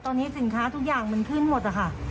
ตอนนี้สินค้าทุกอย่างมันขึ้นหมดอะค่ะ